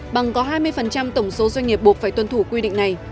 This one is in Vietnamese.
bằng có hai mươi tổng số doanh nghiệp buộc phải tuân thủ quy định này